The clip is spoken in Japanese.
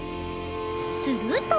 ［すると］